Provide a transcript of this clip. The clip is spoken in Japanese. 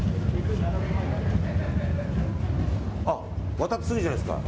渡ってすぐじゃないですか。